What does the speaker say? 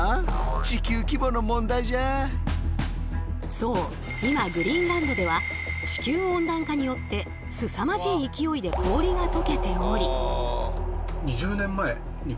そう今グリーンランドでは地球温暖化によってすさまじい勢いで氷が溶けており。